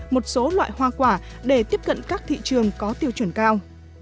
một số loại hoa quả để tiếp cận các thị trường có tiêu chuẩn cao